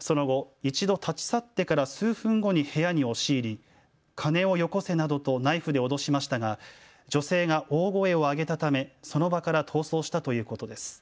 その後、一度立ち去ってから数分後に部屋に押し入り金をよこせなどとナイフで脅しましたが女性が大声を上げたため、その場から逃走したということです。